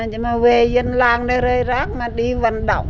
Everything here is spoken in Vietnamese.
chứ mà về dân làng đây rơi rác mà đi vận động